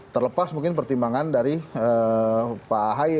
terlepas mungkin pertimbangan dari pak ahaye